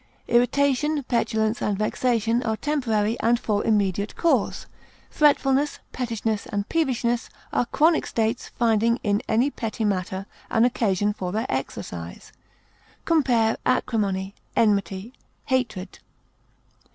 Irritation, petulance, and vexation are temporary and for immediate cause. Fretfulness, pettishness, and peevishness are chronic states finding in any petty matter an occasion for their exercise. Compare ACRIMONY; ENMITY; HATRED.